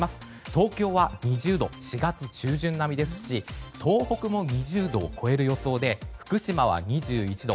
東京は２０度で４月中旬並みですし東北も２０度を超える予想で福島は２１度。